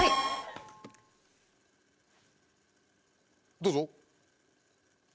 どうぞ。